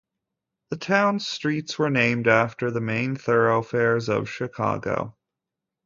The town's streets were named after the main thoroughfares of Chicago.